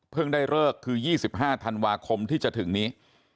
ได้เลิกคือ๒๕ธันวาคมที่จะถึงนี้